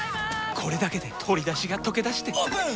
これだけで鶏だしがとけだしてオープン！